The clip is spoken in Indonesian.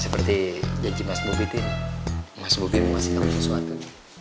seperti janji mas bobi tim mas bobi mau kasih tau sesuatu